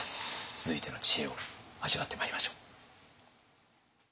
続いての知恵を味わってまいりましょう。